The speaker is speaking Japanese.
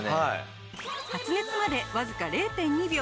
発熱までわずか０．２秒。